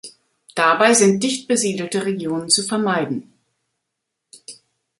Dabei sind dichtbesiedelte Regionen zu vermeiden.